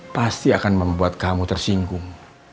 pasti akan membuat kamu tersinggung